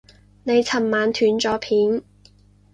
你尋晚斷咗片